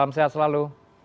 salam sehat selalu